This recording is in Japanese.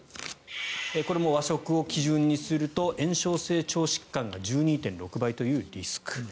これも和食を基準にすると炎症性腸疾患が１２．６倍というリスク。